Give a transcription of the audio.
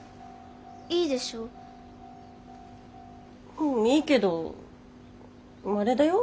うんいいけどあれだよ。